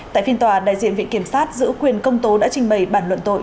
tại phiên tòa đại diện viện kiểm sát giữ quyền công tố đã trình bày bản luận tội